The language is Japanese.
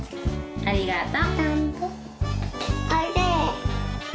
ありがとう。